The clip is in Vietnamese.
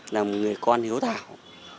là một người con hiếu thảo